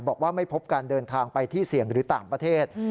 บอกว่าไม่พบการเดินทางไปที่เสี่ยงหรือต่างประเทศ